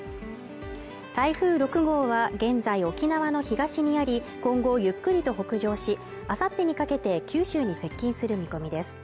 台風６号は現在沖縄の東にあり今後ゆっくりと北上しあさってにかけて九州に接近する見込みです